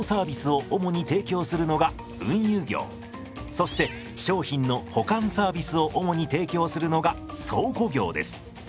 そして商品の保管サービスを主に提供するのが倉庫業です。